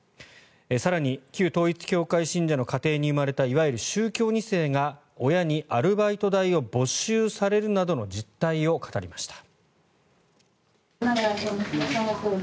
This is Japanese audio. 更に、旧統一教会信者の家庭に生まれたいわゆる宗教２世が親にアルバイト代を没収されるなどの実態を語りました。